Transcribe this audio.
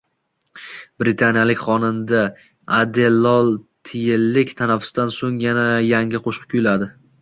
Britaniyalik xonanda Adeloltiyillik tanaffusdan so‘ng yangi qo‘shiq kuyladi